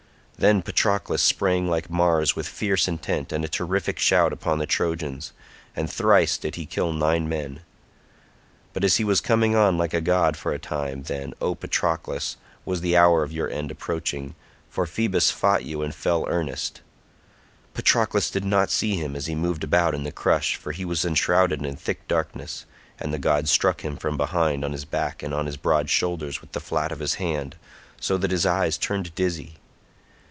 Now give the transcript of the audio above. Then Patroclus sprang like Mars with fierce intent and a terrific shout upon the Trojans, and thrice did he kill nine men; but as he was coming on like a god for a time, then, O Patroclus, was the hour of your end approaching, for Phoebus fought you in fell earnest. Patroclus did not see him as he moved about in the crush, for he was enshrouded in thick darkness, and the god struck him from behind on his back and his broad shoulders with the flat of his hand, so that his eyes turned dizzy.